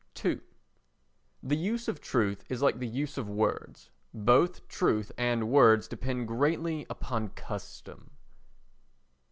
ii The use of truth is like the use of words; both truth and words depend greatly upon custom.